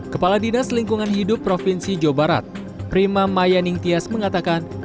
kepala dinas lingkungan hidup provinsi jawa barat prima maya ningtyas mengatakan